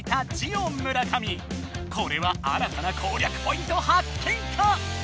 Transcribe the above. これはあらたな攻略ポイント発見か⁉